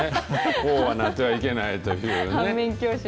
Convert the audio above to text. こうはなってはいけないというね。